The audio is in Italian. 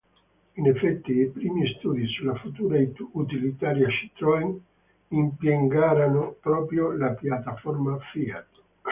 In effetti i primi studi sulla futura utilitaria Citroën impiegarono proprio la piattaforma Fiat.